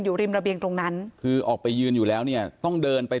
อยู่ริมระเบียงตรงนั้นคือออกไปยืนอยู่แล้วเนี่ยต้องเดินไป